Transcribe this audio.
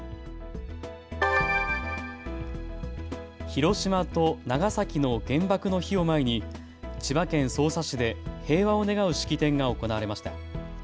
広島と長崎の原爆の日を前に千葉県匝瑳市で平和を願う式典が行われました。